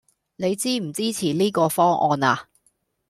你支唔支持呢個方案呀